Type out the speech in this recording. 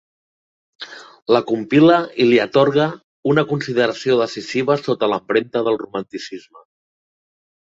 La compile i li atorgue una consideració decisiva sota l’empremta del romanticisme.